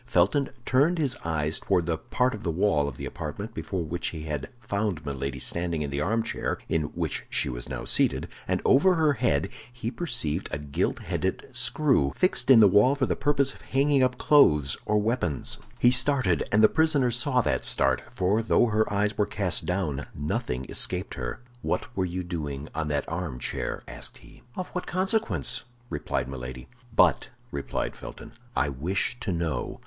Felton turned his eyes toward the part of the wall of the apartment before which he had found Milady standing in the armchair in which she was now seated, and over her head he perceived a gilt headed screw, fixed in the wall for the purpose of hanging up clothes or weapons. He started, and the prisoner saw that start—for though her eyes were cast down, nothing escaped her. "What were you doing on that armchair?" asked he. "Of what consequence?" replied Milady. "But," replied Felton, "I wish to know."